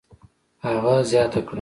هغه زیاته کړه: